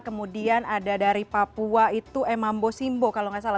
kemudian ada dari papua itu emambo simbo kalau nggak salah